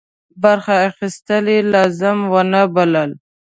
برخه اخیستل یې لازم ونه بلل.